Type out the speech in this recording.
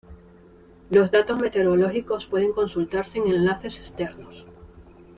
Los datos meteorológicos pueden consultarse en enlaces externos.